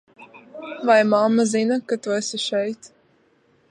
Vai mamma zina, ka tu esi šeit?